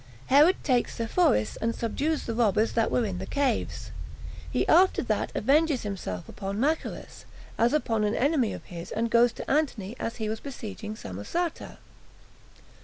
Herod Takes Sepphoris And Subdues The Robbers That Were In The Caves; He After That Avenges Himself Upon Machaerus, As Upon An Enemy Of His And Goes To Antony As He Was Besieging Samosata.